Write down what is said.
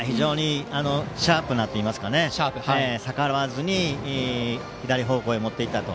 シャープといいますか逆らわずに左方向へ持っていったと。